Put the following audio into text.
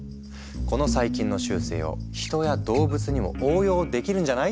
「この細菌の習性を人や動物にも応用できるんじゃない？」